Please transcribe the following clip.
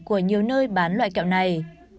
của nhiều nơi bán loại kẹo này